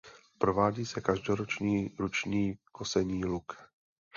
Provádí se každoroční ruční kosení luk.